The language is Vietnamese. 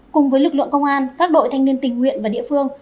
cùng với lực lượng công an các đội thanh niên tình nguyện và địa phương